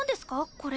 これ。